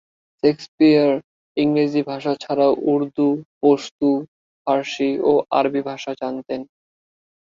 Shakespeare ইংরেজি ছাড়াও উর্দু, পশতু, ফারসি ও আরবি ভাষা জানতেন।